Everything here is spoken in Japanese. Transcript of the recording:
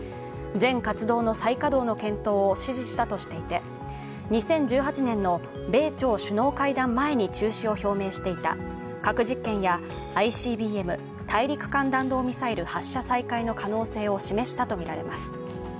全活動の再稼働の検討を指示したとしていて、２０１８年の米朝首脳会談前に中止を表明していた核実験やＩＣＢＭ＝大陸間弾道ミサイル発射再開の可能性を示したとみられます。